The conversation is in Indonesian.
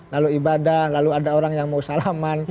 lalu ibadah lalu ada orang yang mau salaman